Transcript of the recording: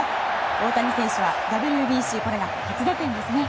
大谷選手はＷＢＣこれが初打点ですね。